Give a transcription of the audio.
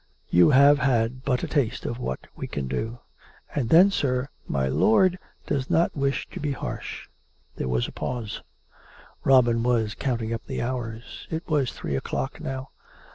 You have had but a taste of what we can do. ... And then, sir, my lord does not wish to be harsh. ..." There was a pause. Robin was counting up the hours. It was three o'clock now.